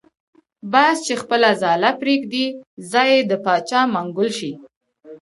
باز چی خپله ځاله پریږدی ځای یی دباچا منګول شی .